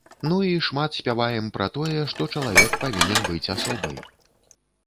Ну і шмат спяваем пра тое, што чалавек павінен быць асобай.